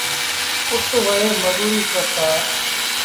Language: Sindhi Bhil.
اُت وهي مزوريٚ ڪرتآ۔